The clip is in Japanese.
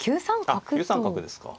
あっ９三角ですか。